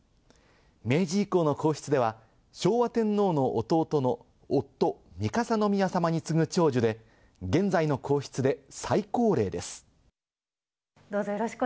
明治以降の皇室では、昭和天皇の弟の夫・三笠宮さまに次ぐ長寿で、現在の皇室で最高齢です。